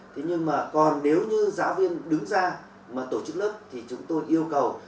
thế nhưng mà còn nếu như giáo viên đứng ra mà tổ chức lớp thì chúng tôi yêu cầu